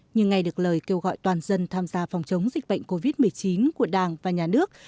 nhưng ngay được lời kêu gọi toàn dân tham gia phòng chống dịch bệnh covid một mươi chín của đảng và nhà nước